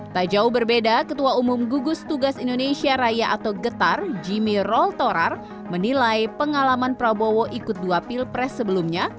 tak jauh berbeda ketua umum gugus tugas indonesia raya atau getar jimmy roltorar menilai pengalaman prabowo ikut dua pilpres sebelumnya